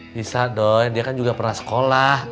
bisa dong dia kan juga pernah sekolah